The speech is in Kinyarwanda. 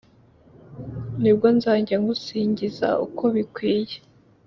nibwo, nzajya ngusinjyiza ukobikwiriye